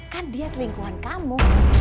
kan dia selingkuhan kamu